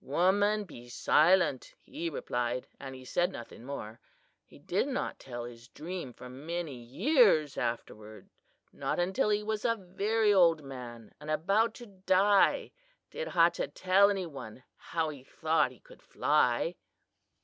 "'Woman, be silent,' he replied, and he said nothing more. He did not tell his dream for many years afterward. Not until he was a very old man and about to die, did Hachah tell any one how he thought he could fly."